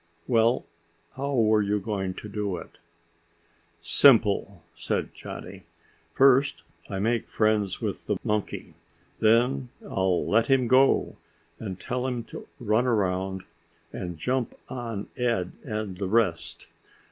"Well, how were you going to do it?" "Simple," said Johnny. "First I make friends with the monkey. Then I'll let him go and tell him to run around and jump on Ed and the rest.